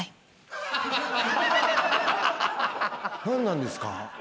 何なんですか？